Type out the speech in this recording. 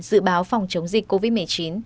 dự báo phòng chống dịch covid một mươi chín